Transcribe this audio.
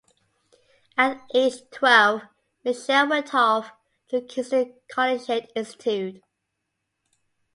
At age twelve Mitchell went off to Kingston Collegiate Institute.